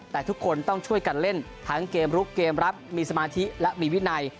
แต่ทุกคนต้องช่วยกันเล่นทั้งเกมลุกเกมรับมีสมาธิและมีวินัย